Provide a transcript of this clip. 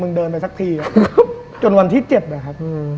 มึงเดินไปซักทียังจนวันที่๗น่ะครับ